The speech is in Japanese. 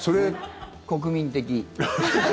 国民的。